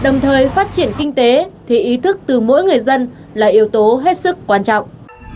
đồng thời phát triển kinh tế thì ý thức từ mỗi người dân là yếu tố hết sức quan trọng